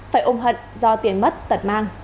phải ôm hận do tiền mất tật mang